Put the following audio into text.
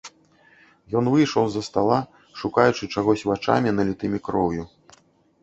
Ён выйшаў з-за стала, шукаючы чагось вачамі, налітымі кроўю.